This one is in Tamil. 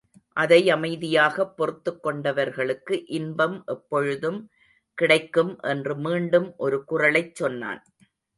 அதை அமைதியாகப் பொறுத்துக் கொண்டவர்களுக்கு இன்பம் எப்பொழுதும் கிடைக்கும் என்று மீண்டும் ஒரு குறளைச் சொன்னான்.